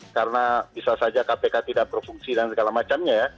karena bisa saja kpk tidak berfungsi dan segala macamnya ya